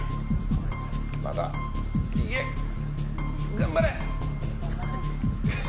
頑張れ！